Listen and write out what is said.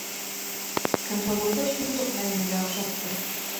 Көнһылыуҙы шундуҡ Мәҙинәгә оҡшатты.